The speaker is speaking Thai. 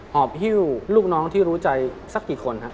อบหิ้วลูกน้องที่รู้ใจสักกี่คนครับ